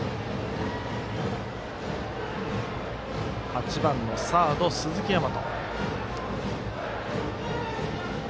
８番のサード、鈴木大和。